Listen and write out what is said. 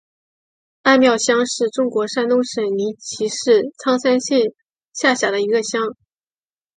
二庙乡是中国山东省临沂市苍山县下辖的一个乡。